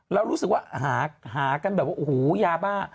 เรารู้สึกว่าหากันแบบว่าโอ้โหยาบ้า